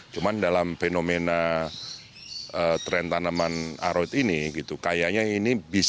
cuma dalam fenomena tren tanaman aroid ini